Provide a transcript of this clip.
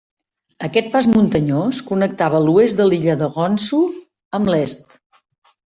Aquest pas muntanyós connectava l'oest de l'illa de Honshu amb l'est.